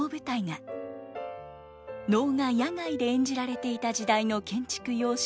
能が野外で演じられていた時代の建築様式